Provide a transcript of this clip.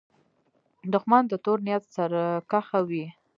دښمن د تور نیت سرکښه وي